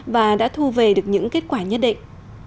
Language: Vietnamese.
và đã thu về được những kết quả nhất định